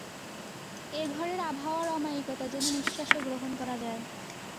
এ ঘরের আবহাওয়ার অমায়িকতা যেন নিশ্বাসে গ্রহণ করা যায়।